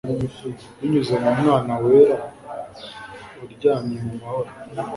binyuze mu mwana wera, uryamye mu mahoro